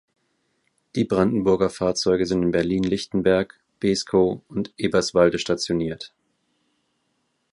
Die Brandenburger Fahrzeuge sind in Berlin-Lichtenberg, Beeskow und Eberswalde stationiert.